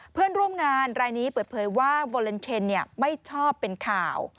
เพื่อนร่วมงานรายนี้เปิดเผยว่าวอเลนเทนไม่ชอบเป็นข่าว